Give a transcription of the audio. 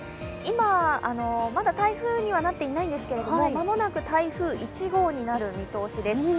今まだ台風にはなっていないんですけど、間もなく台風１号になる見通しです。